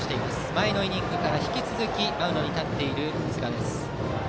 前のイニングから引き続きマウンドに立っている寿賀。